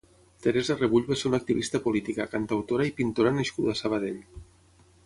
Teresa Rebull va ser una activista política, cantautora i pintora nascuda a Sabadell.